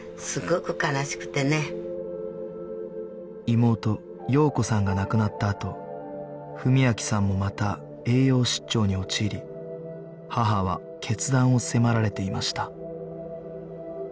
妹洋子さんが亡くなったあと文明さんもまた栄養失調に陥り母は決断を迫られていました